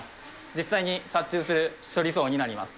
実際に殺虫する処理槽になります。